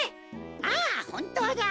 あっほんとうだ。